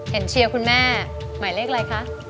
เชียร์คุณแม่หมายเลขอะไรคะ